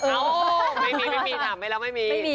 ไม่มีถามไม่แล้วไม่มี